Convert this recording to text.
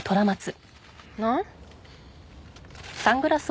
なん？